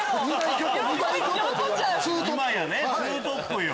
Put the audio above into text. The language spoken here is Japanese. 今やツートップよ。